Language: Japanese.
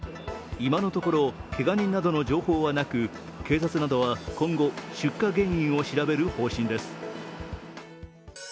今のところけが人などの情報はなく警察などは今後、出火原因を調べる方針です。